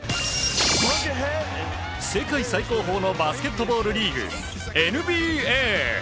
世界最高峰のバスケットボールリーグ、ＮＢＡ。